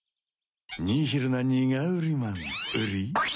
ニヒルなニガウリマンウリ。